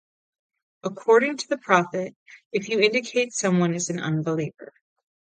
According to the Prophet, If you indicate someone is an unbeliever...